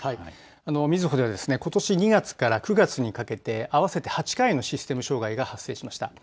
みずほではことし２月から９月にかけて合わせて８回のシステム障害が発生しました。